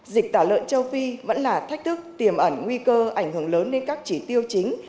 dịch tả lợn châu phi vẫn là thách thức tiềm ẩn nguy cơ ảnh hưởng lớn đến các chỉ tiêu chính